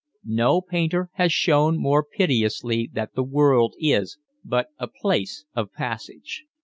No painter has shown more pitilessly that the world is but a place of passage.